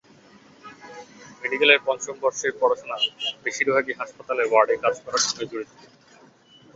মেডিকেলের পঞ্চম বর্ষের পড়াশোনা বেশির ভাগই হাসপাতালের ওয়ার্ডে কাজ করার সঙ্গে জড়িত।